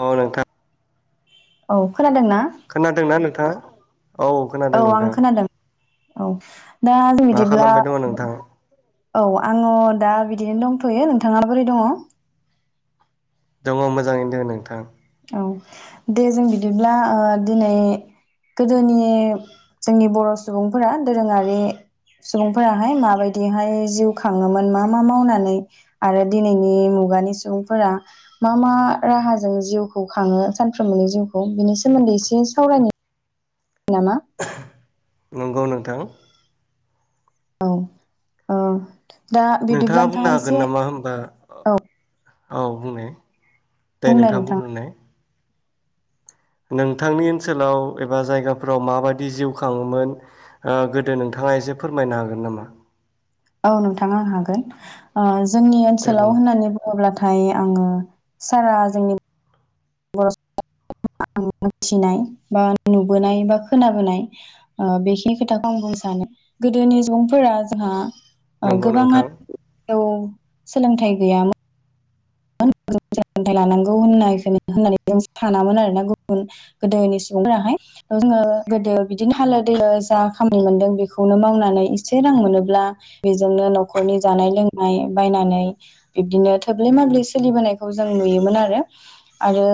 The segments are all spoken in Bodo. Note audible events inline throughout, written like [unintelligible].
अ नोंथां औ खोनादों ना? थां औ औ खोनादों आं नोंथां। औ दा जों मा बिदिब्ला खालामबाय दङ नोंथां? औ आङो दा बिदिनो दंथयो नोंथाङा बोरै दङ? दङ मोजाङैनो दोङो नोंथां। औ दे जों बिदिब्ला ओ दिनै गोदोनि जोंनि बर सुबुंफोरा दोरोङारि सुबुंफोराहाय माबायदिहाय जिउ खाङोमोन मा मा मावनानै आरो दिनैनि मुगानि सुबुंफोरा मा मा राहाजों जिउ खौ खाङो सानफ्रोमबोनि जिउखौ बिनि सोमोन्दै एसे सावरायनो नामा नंगौ नोंथां। औ ओ दा बिदिब्ला बुंनो नोंथाङा हागोन इसे नामा होमबा औ औ बुंनाय। दे नोंथाङा नोंथां बुंग्रोनाय। नोंथांनि ओनसोलाव एबा जायगाफोराव माबायदि जिउ खाङोमोन ओ गोदो नोंथाङा एसे फोरमायनो हागोन नामा? ओं नोंथां आं हागोन ओ जोंनि दे बुं ओनसोलाव होननानै बुङोब्लाथ नाथाय आङो सारा जोंनि [inaudible] मोनथिनाय बा नुबोनाय बा खोनाबोनाय ओ बेखिनि खोथाखौ आं बुंनो सानो गोदोनि सुबुंफोरा जोंहा नंगौ गोबां आ नोंथां औ सोलोंथाइ गैयामो [inaudible] सोलोंथाय लानांगौ होननाय होननानै जों सानामोन आरोना गुबुन गोदोनि सुबुंफोराहाय जोंङो गोदो बिदिनो हालो दैलो जा खामानि मोनदों बेखौनो मावनानै एसे रां मोनोब्ला बेजोंनो न'खरनि जानाय लोंनाय बायनानै बिब्दिनो थोब्ले माब्ले सोलिबोनायखौ जों नुयोमोन आरो आरो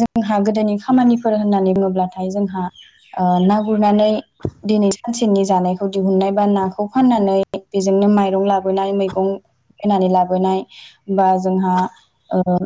जोंहा गोदोनि खामानिफोर होननानै बुङोब्लाथाय जोंहा ना गुरनानै दिनै सानसेनि जानायखौ दिहुननाय बा नाखौ फाननानै बेजोंनो माइरं लाबोनाय मैगं फानै लाबोनाय बा जोंहा ओ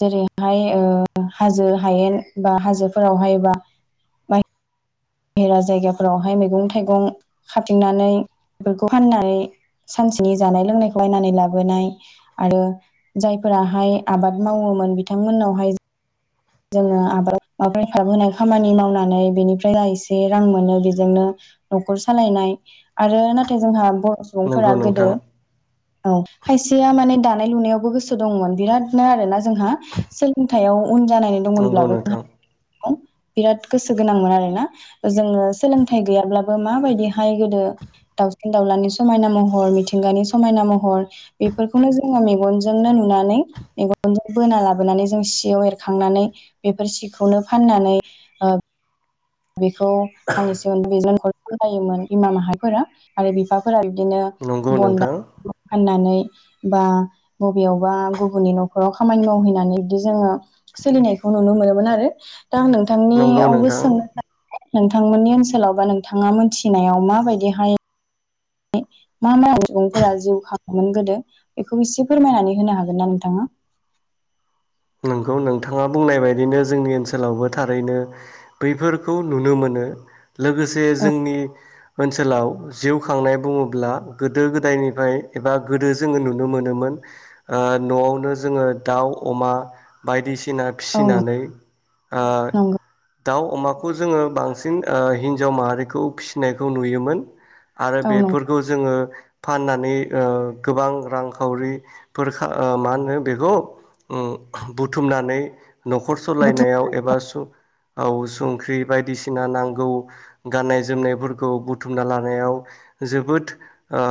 जेरैहाय ओ हाजो हायेन बा हाजोफोरावहाय बा बहेरा जायगाफोरावहाय मैगं थाइगं खाथिंनानै बेफोरखौ फाननानै सानसेनि जानाय लोंनायखौ नायनानै लाबोनाय आरो जायफोराहाय आबाद मावोमोन बिथांमोननावहाय जोंङो आबाद [unintelligible] खामानि मावनानै बेनिफ्राय एसे रां मोनो बेजोंनो न'खर सालायनाय आरो नाथाय जोंहा बर' सुबुंफोरा नंगौ गोदो नोंथां औ खायसेया माने दानाय लुनायावबो गोसो दंमोन बिरादनो आरोना जोंहा सोलोंथाइयाव उन जानाय दं नंगौ नोंथां मोनब्लाबो [unintelligible] बिराद गोसो गोनांमोन आरोना जोंङो सोलोंथाइ गैयाब्लाबो माबायदि हाय गोदो दाउ दावउलानि समायना महर, मिथिंगानि समायना महर बेफोरखौनो जोंङो मेगनजोंनो नुनानै मेगनजों बोना लाबोनानै जों सियाव एरखांनानै बेफोर सिखौनो फाननानै ओ बेखौ आं एसे [unintelligible] फथायोमोन इमान हाफोरा आरो बिफाफोरा दिनो नंगौ बन नोंथां फाननानै बा बबेयावबा गुबुननि न'खराव खामानि मावहैनानै बिदि जोङो सोलिनायखौ नुनो मोनोमोन आरो। दा आं नंगौ नोंथांनियावबो नोंथां सोंनो नोंथांमोननि ओनसोलाव बा नोंथाङा मोनथिनायाव माबायदिहाय मा मा [unintelligible] सुबुंफोरा जिउ खाङोमोन गोदो बेखौ एसे फोरमायनानै होनो हागोनना नोंथाङा? नोंगौ नोंथांङा बुंनाय बायदिनो जोंनि ओनसोलावबो थारैनो बैफोरखौ नुनो मोनो। लोगोसे औ जोंनि ओनसोलाव जिउ खांनाय बुङोब्ला गोदो गोदायनिफ्राय एबा गोदो जोंङो नुनो मोनोमोन न'आवनो जोंङो दाउ अमा बायदिसि फिना औ नंगौ फिसिनानै ओ नंगौ दाउ अमाखौ जोंङो बांसिन ओ हिन्जाव माहारिखौ फिसिनायखौ नुयोमोन। आरो औ नंगौ बेफोरखौ जोंङो फाननानै ओ गोबां रांखावरिफोर खा मा होनो बेखौ? बुथुमनानै न'खर बुथुम सालायनायाव एबा सु औ संख्रि बायदिसिना नां गौ गाननाय जोमनायफोरखौ बुथुमना लानायाव जोबोद ओ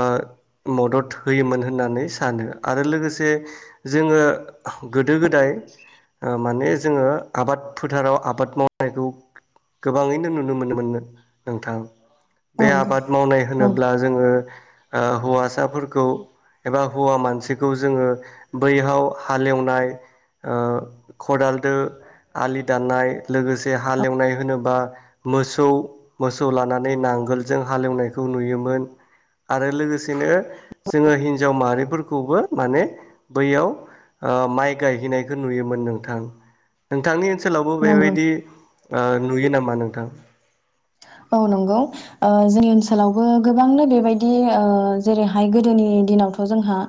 मदद होयोमोन होननानै सानो आरो लोगोसे जोंङो गोदो गोदाय ओ माने जोंङो आबाद फोथाराव आबाद मावनायखौ गोबांङैनो नुनो मोनो मोन नो-नोंथां। बे नंगौ आबाद मावनाय नंगौ होनोब्ला जोंङो ओ हौवासाफोरखौ एबा हौवा मानसिखौ जोंङो बैहाव हालेवनाय खदालदो आलि दाननाय लोगोसे औ हालेवनाय होनोबा मोसौ मोसौ लानानै नांगोलजों हालेवनायखौ नुयोमोन आरो लोगोसेनो जोंङो हिनजाव माहारिफोरखौबो माने बैयाव ओ माइ गायहैनायखौ नुयोमोन नोंथां नोंथांनि ओनसो ओनसोलावबो नंगौ बेबायदि ओ नुयो नामा? मा नोंथां? औ नंगौ जोंनि ओनसोलावबो गोबांनो बेबायदि जेरैहाय गोदोनि दिनावथ' जोंहा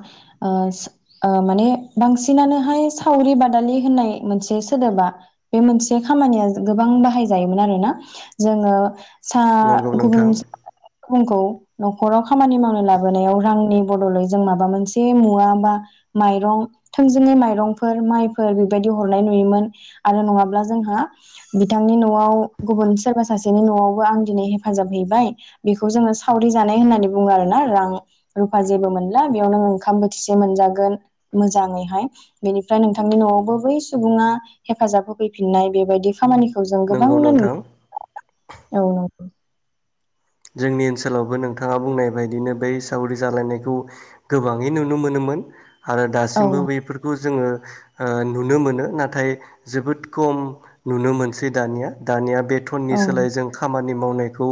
माने बांसिनानोहाय सावरि बादालि होननाय मोनसे सोदोबा बे मोनसे खामानिया गोबां बाहायजायोमोन आरोना जों [unintelligible] सा नंगौ नोंथां गुबुन गुबुनखौ [inaudible] न'खराव खामानि मावनो लाबोनायाव रांनि बदलै जों माबा मोनसे मुवा बा माइरं थोंजोङै माइरंफोर माइफोर बेबायदि हरनाय नुयोमोन आरो नङाब्ला जोंहा बिथांनि न'आव गुबुन सोरबा सासेनि न'आवबो आं दिनै हेफाजाब हैबाय बेखौ जोङो सावरि जानाय होननानै बुङो आरोना रां रुफा जेबो मोनला बेयाव ननो ओंखाम बोथिसे मोनजागोन मोजाङैहाय बेनिफ्राय नोंथांनि न'आवबो बै सुबुङा हेफाजाब होफैफिननाय बेबायदि खामानिखौ जों नंगौ गोबांनो नु नोंथां औ जोंनि ओनसोलावबो नोंथाङा बुंनाय बायदिनो बै सावरि जालायनायखौ गोबाङै नुनो मोनोमोन। आरो औ दासिमबो नंगौ बैफोरखौ जोङो ओ नुनो मोनो नाथाय जोबोद खम नुनो मोनसै दानिया दानिया बे थनि औ नंगौ सोलाय जों खामानि नि मावनायखौ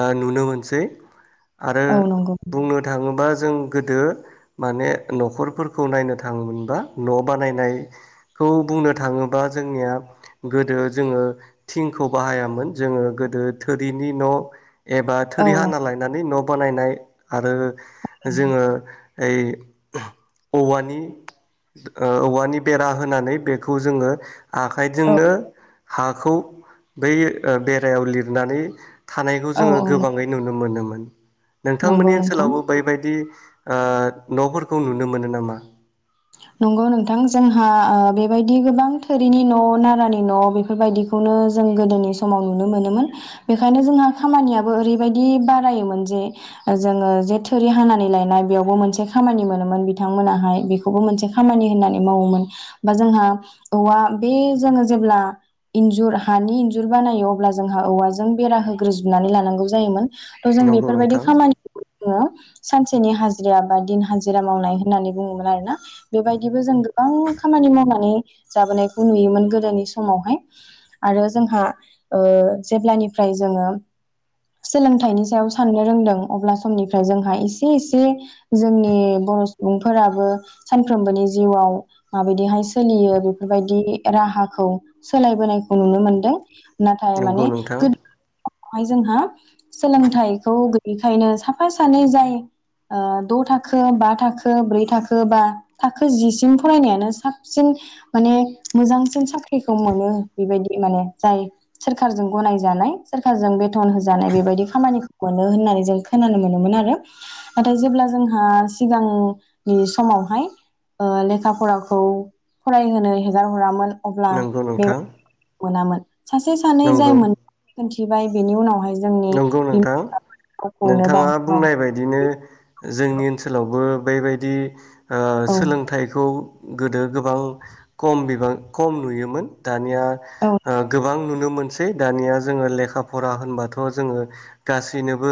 आं नुनो मोनसै। आरो औ नंगौ बुंनो थाङोब्ला जों गोदो माने न'खरफोरखौ नायनो थाङोमोनबा न' बानायनायखौ बुंनो थाङोबा जोंनिया गोदो जोङो थिंखौ बाहायामोन जोङो गोदो थोरिनि न' एबा औ थोरि नंगौ हाना लायनानै न' बानायनाय आरो जोङो औ ओइ औवानि ओ औवानि बेरा होनानै बेखौ जोङो आखाइजोंनो हाखौ बै बेरायाव लिरनानै थानाय औ जोङो औ गोबाङै नुनो मोनोमोन [unintelligible] नंगौ नोंथांमोननि नोंथां ओनसोलावबो बैबायदि न'फोरखौ नुनो मोनो नामा? नंगौ नोंथां जोंहा बेबायदि गोबां थोरिनि न' नारानि न' बेफोरबायदिखौनो जों गोदोनि समाव नुनो मोनोमोन बेखायनो जोंहा खामानियाबो ओरैबायदि बारायोमोन जे जोङो जे थोरि हानानै लायनाय बेयावबो मोनसे खामानि मोनोमोन बिथांमोनाहाय बेखौ खौबो मोनसे खामानि होननानै मावोमोन बा जोंहा औवा बे जोङो जेब्ला इन्जुर हानि इन्जुर बानायो अब्ला जोंहा औवाजों बेरा होग्रोजोबनानै लानांगौ जायोमोन। थ जों नंगौ बेफोरबायदि नोंथां खामानिखौ ङो सानसेनि हाजिरा बा दिन हाजिरा मावनाय होननानै बुङोमोन आरोना बेबायदिबो जों गोबां खामानि मावनानै जाबोनायखौ नुयोमोन गोदोनि समावहाय आरो जोंहा जेब्लानिफ्राय जोङो सोलोंथाइनि सायाव साननो रोंदों अब्ला समनिफ्राय जोंहा एसे एसे जोंनि बर' सुबुंफोराबो सानफ्रोमबोनि जिउआव माबायदिहाय सोलियो बेफोरबायदि राहाखौ सोलायबोनायखौ नुनो मोनदों नाथाय नंगौ माने नोंथां बेवहाय जोंहा सोलोंथाइखौ गैयैखायनो साफा सानै जाय ओ द थाखो बा थाखो ब्रै थाखो बा थाखो जिसिम फरायनायानो साबसिन माने मोजांसिन साख्रिखौ मोनो बेबायदि माने जाय सोरखारजों गनायजानाय सोरखारजों बे मान होजानाय बेबायदि खामानिखौ मोनो होननानै जों खोनानो मोनोमोन आरो नाथाय जेब्ला जोंहा सिगांनि समावहाय लेखा फराखौ फरायहोनो हेगार हरामोन। अब्ला नंगौ बे नोंथां। मोनामोन। सासे सानै जायमोन बाय बेनि उनावहाय जोंनि नोंगौ बिमा नोंथां रावखौनो नोंथाङा बाव बुंनाय बायदिनो जोंनि ओनसोलावबो बेबायदि ओ औ सोलोंथाइखौ गोदो गोबां खम बिबां खम नुयोमोन दा निया औ गोबां नु नुनो मोनसै दानिया जोङो लेखा फरा होनबा थ जोङो गासैनोबो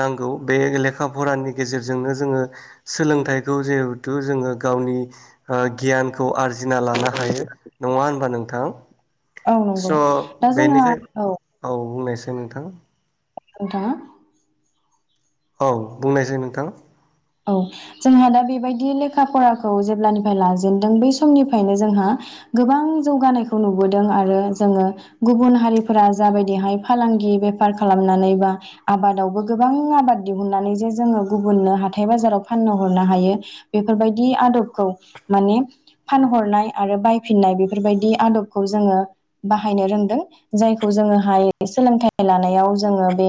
नांगौ बे लेखा फरानि गेजेरजोंनो जोङो सोलोंथाइखौ जिहेथु जोङो गावनि गियानखौ आरजि ना लानो हायो नङा होनबा नोंथां। औ नंगौ स' दा जोंहा बेनिखाय औ। नोंथां। नोंथांङा औ बुंनायसाय नोंथां। औ जोंहा दा बेबायदि लेखा फराखौ जेब्लानिफ्राय लाजेेनदों बै समनिफ्रायनो जोंहा गोबां जौगानायखौ नुबोदों आरो जोङो गुबुन हारिफोरा जाबायदिहाय फालांगि बेफार खालामनानै बा आबादावबो गोबां आबाद दिहुननानै जे जोङो गुबुननो हा हाथाइ बाजाराव फाननो हरनो हायो बेफोरबायदि आदबखौ माने फानहरनाय आरो बायफिननाय बेफोरबायदि आदबखौ जोङो बाहायनो रोंदों जायखौ जोङोहाय सोलोंथाइ लानायाव जोङो बे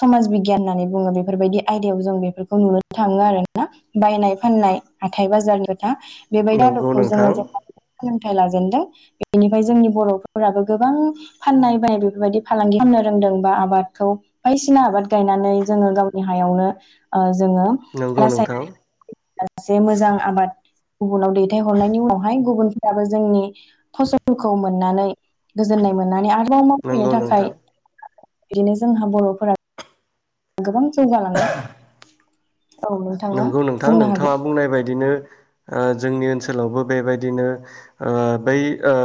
समाज बिगियान होननानै बुङो बेफोरबायदि आयदायाव जों बेफोरखौ नुनो थाङो आरोना बायनाय फाननाय हाथाय बाजारनि बेबायदि नंगौ आदबखौ नोंथां जोङो [inaudible] लाजेनदों बेनिफ्राय जोंनि बर'फोराबो गोबां फाननाय बायनाय बेफोरबायदि फालांगि खालामनो रोंदों बा आबादखौ बायदिसिना आबाद गायनानै जोङो गावनि हायावनो ओ जोङो नंगौ नोंथां रासायनारि [inaudible] मोजां आबाद। गुबुनाव दैथायहरनायनि उनावहाय गुबुन दाबो जोंनि फसलखौ मोननानै गोजोननाय मोननानै आरोबाव मावफैनो नंगौ थाखाय नोंथां बिदिनो जोंहा बर'फोरा गोबां जौगा लांदों। नोंगौ नोंथां नोंथाङा बुंनाय बायदिनो ओ जोंनि ओनसोलावबो बेबायदिनो ओ बै ओ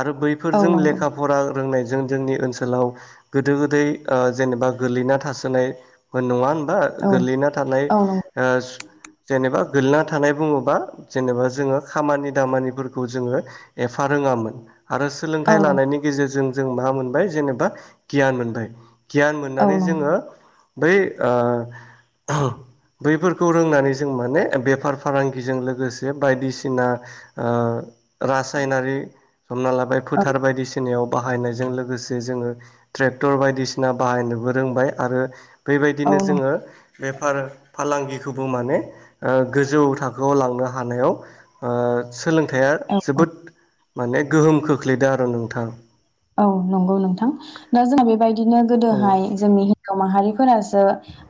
आरो औ बैफोरजों नंगौ लेखा फरा रोंनायजों जोंनि ओनसोलाव गोदो गोदाय ओ जेनेबा गोलैना थासोनाय नङा होन [unintelligible] औ गोलैना थानाय औ नंगौ ओ जेनेबा गोलैना थानाय बुङोबा जेनेबा जोंङो खामानि दामानिफोरखौ जोंङो एफा रोङामोन। आरो औ सोलोंथाइ लानायनि गेजेरजों जों मा मोनबाय जेनेबा गियान मोनबाय गियान औ मोननानै नंगौ जोंङो बै ओ बैफोरखौ रोंनानै जों माने बेफार फालांगिजों लोगोसे बायदिसिना ओ रासायनारि हमना लाबाय औ फोथार बायदिसिनायाव बाहायनायजों लोगोसे जोङो ट्रेक्टर बायदिसिना बाहायनोबो रोंबाय आरो औ बेबायदिनो नंगौ जोङो बेफार फालांगिखौबो माने ओ गोजौ थाखोआव लांनो ओ हानायाव ओ सोलोंथाइया औ औ जोबोद माने गोहोम खोख्लैदों आरो नोंथां औ नंगौ नोंथां दा जोंहा बेबायदि बिदिनो औ गोदोहाय जोंनि हिनजाव माहारिफोरासो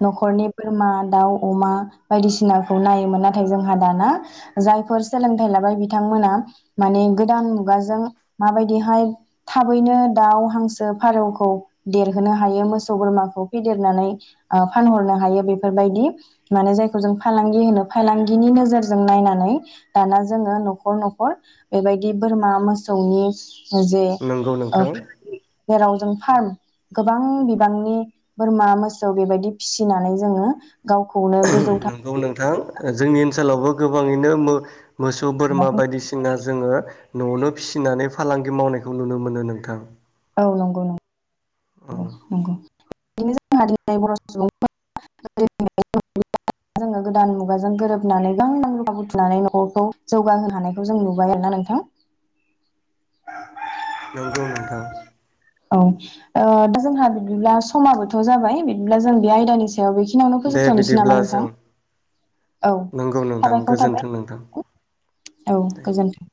नखरनि बोरमा दाउ अमा बायदिसिनाखौ नायोमोन नाथाय जोंहा दाना जायफोर सोलोंथाइ लाबाय बिथांमोना माने गोदान मुगाजों माबायदिहाय थाबैनो दाउ हांसो फारौखौ देरहोनो हायो मोसौ बोरमाखौ फेदेरनानै ओ फानहरनो हायो बेफोरबायदि माने जायखौ जों फालांगि होनो फालांगिनि नोजोरजों नायनानै दाना जोङो नखर नखर बेबायदि बोरमा मोसौनि जे नंगौ ओ नोंथां जेराव जों फार्म गोबां बिबांनि बोरमा मोसौ बेबायदि फिसिनानै जोंङो नंगौ नोंथां जोंनि ओनस ओनसोलावबो गोबाङैनो मो मोसौ बोरमा थाखो बायदिसिना जोंङो नआवनो फिसिनानै फालांगि मावनायखौ नुनो मोनो नोंथां। औ नंगौ नंगौ औ नंगौ बिनो जोंहा दिनै बर सुबुं [inaudible] जोङो गोदान मुगाजों गोरोबनानै गां नां रुवा बुथुमनानै न'खरखौ जौगाहो हानायखौ जों नुबाय आरोना नोंथां। नंगौ नोंथां औ ओ दा जोंहा बिदिब्ला समाबोथ जाबाय बिदिब्ला जों बे आयदानि सायाव बेखिनियावनो दे फोजोबथनोसै नामा बिदिब्ला नोंथां जों औ नंगौ नोंथां साबायखर थाबाय गोजोन्थों नोंथां औ गोजोनथों।